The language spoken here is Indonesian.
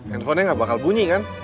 handphonenya nggak bakal bunyi kan